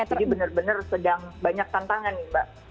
jadi benar benar sedang banyak tantangan nih mbak